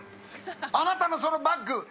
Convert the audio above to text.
あなたのそのバッグ。